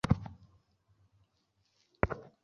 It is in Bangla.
এখন খালে মাছ তো দূরের কথা, একটি ব্যাঙও খুঁজে পাওয়া যাবে না।